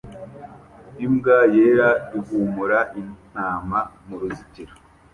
Imbwa yera ihumura intama mu ruzitiro